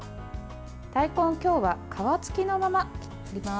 大根、今日は皮つきのまま切ります。